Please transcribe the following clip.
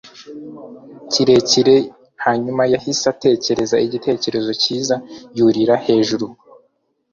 kirekire. hanyuma yahise atekereza igitekerezo cyiza. yurira hejuru